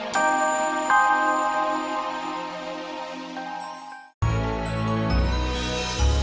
sampai jumpa lagi